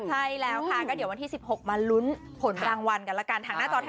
ใช่แล้วค่ะก็เดี๋ยววันที่๑๖มารุ้นผลรางวันกันละกัน